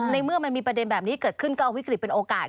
เมื่อมันมีประเด็นแบบนี้เกิดขึ้นก็เอาวิกฤตเป็นโอกาส